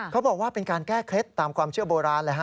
เขาบอกว่าเป็นการแก้เคล็ดตามความเชื่อโบราณเลยฮ